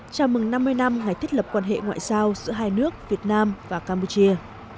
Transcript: chào mừng năm mươi năm ngày thiết lập quan hệ ngoại giao giữa hai nước việt nam và campuchia